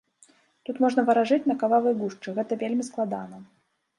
Тут можна варажыць на кававай гушчы, гэта вельмі складана.